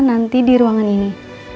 nanti di ruangan ini